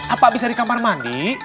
apa abis dari kamar mandi